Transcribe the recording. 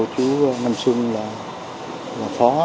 chú nam xuân là phó